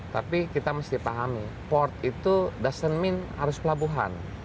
tapi kita mesti pahami port itu dasar mean harus pelabuhan